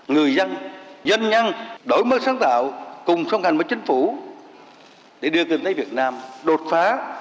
người dân doanh nhân đổi mới sáng tạo cùng song hành với chính phủ để đưa kinh tế việt nam đột phá